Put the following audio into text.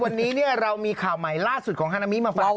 วันนี้เรามีข่าวใหม่ล่าสุดของฮานามิมาฟัง